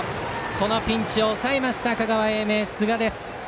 このピンチを抑えました香川・英明、寿賀です。